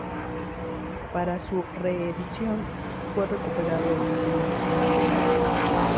Para su reedición, fue recuperado el diseño original del álbum.